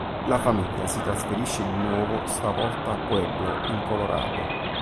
La famiglia si trasferisce di nuovo, stavolta a Pueblo, in Colorado.